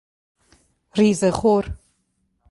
ریزه خور